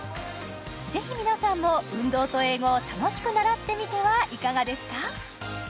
ぜひ皆さんも運動と英語を楽しく習ってみてはいかがですか？